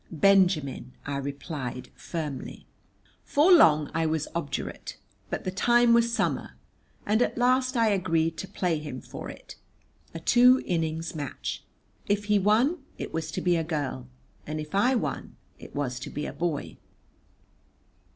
"Benjamin," I replied firmly. For long I was obdurate, but the time was summer, and at last I agreed to play him for it, a two innings match. If he won it was to be a girl, and if I won it was to be a boy.